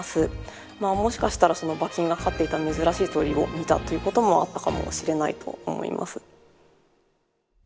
もしかしたらその馬琴が飼っていた珍しい鳥を見たということもあったかもしれないと思います。